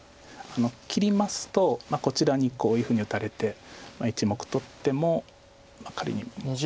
切りますとこちらにこういうふうに打たれて１目取っても仮に。